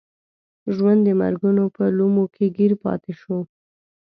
ژوند د مرګونو په لومو کې ګیر پاتې شي.